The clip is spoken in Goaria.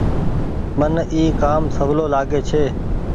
من اي ڪآم سولو لآگي ڇي۔